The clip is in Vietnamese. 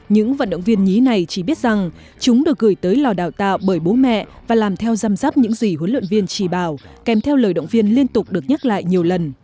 những vận động viên nhí này chỉ biết rằng chúng được gửi tới lò đào tạo bởi bố mẹ và làm theo giam giáp những gì huấn luyện viên trì bảo kèm theo lời động viên liên tục được nhắc lại nhiều lần